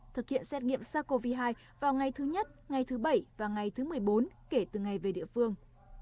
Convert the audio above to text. thực hiện xét nghiệm sars cov hai vào ngày thứ nhất ngày thứ bảy và ngày thứ một mươi bốn kể từ ngày về địa phương